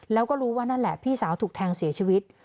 แล้วก็รู้ว่านั่นแหละพี่สาวถูกแทงเสียชีวิต